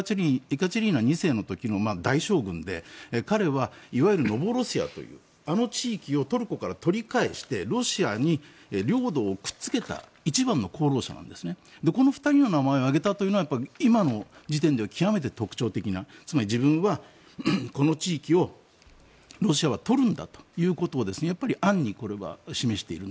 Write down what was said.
そしてスボロフはエカチェリーナ２世の時の大将軍で彼はいわゆるノボロシアというあの地域をトルコから取り返してロシアに領土をくっつけた一番の功労者でこの２人の名前を挙げたのは今の時点では極めて特徴的な自分はこの地域をロシアは取るんだということを暗に示している。